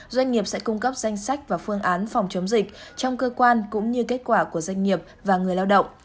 doanh nghiệp sẽ cung cấp danh sách và phương án phòng chống dịch trong cơ quan cũng như kết quả của doanh nghiệp và người lao động